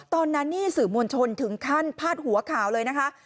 ตอนนั้นนี่สื่อมวลชนถึงขั้นพาดหัวข่าวเลยนะคะ